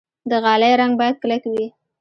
د غالۍ رنګ باید کلک وي.